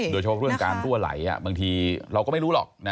โดยเฉพาะเรื่องการรั่วไหลบางทีเราก็ไม่รู้หรอก